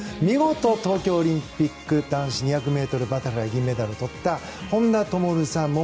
見事、東京オリンピック男子２００ｍバタフライで銀メダルをとった本多灯さん。